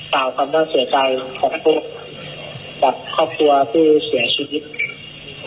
กล่าวความน่าเสียใจของพวกกับครอบครัวผู้เสียชีวิต